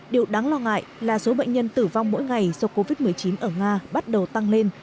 điều đáng lo ngại là số bệnh nhân tử vong mỗi ngày do covid một mươi chín ở nga bắt đầu tăng lên